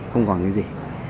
không còn cái gì